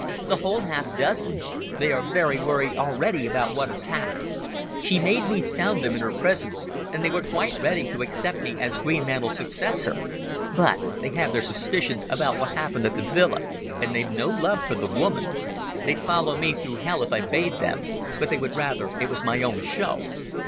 "The whole half dozen. They are very worried already about what has happened. She made me sound them in her presence, and they were quite ready to accept me as Greenmantle's successor. But they have their suspicions about what happened at the villa, and they've no love for the woman ... They'd follow me through hell if I bade them, but they would rather it was my own show."